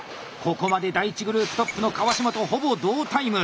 ここまで第１グループトップの川島とほぼ同タイム。